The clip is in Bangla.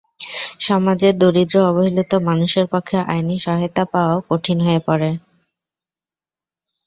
সমাজের দরিদ্র, অবহেলিত মানুষের পক্ষে আইনি সহায়তা পাওয়াও কঠিন হয়ে পড়ে।